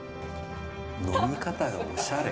呑み方がおしゃれ。